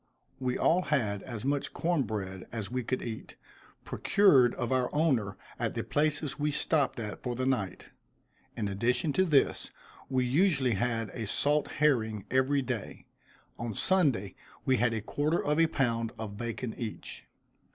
We all had as much corn bread as we could eat, procured of our owner at the places we stopped at for the night. In addition to this we usually had a salt herring every day. On Sunday we had a quarter of a pound of bacon each.